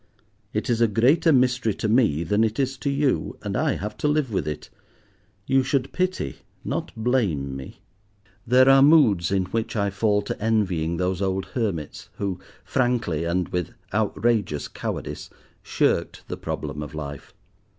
It is a greater mystery to me than it is to you, and I have to live with it. You should pity not blame me." There are moods in which I fall to envying those old hermits who frankly, and with courageous cowardice, shirked the problem of life.